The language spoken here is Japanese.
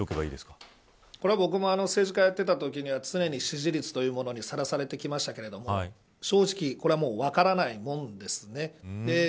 これは僕も政治家やっていたときには常に支持率というものにさらされてきましたけど正直、これはもう分からないものです。